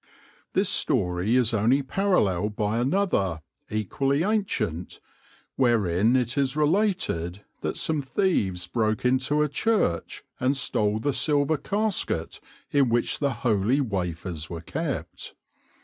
This story is only paralleled by another, equally ancient, wherein it is related that some thieves broke into a church, and stole the silver casket in which the holy wafers were kept.